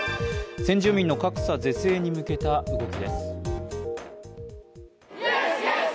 先住民の格差是正に向けた動きです。